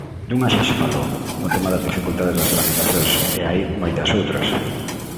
Dunha xa se falou: o tema das dificultades das tramitacións; e hai moitas outras.